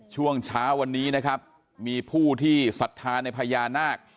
ช่วงเช้าวันนี้นะครับมีผู้ที่ศรัทธาในพญานาค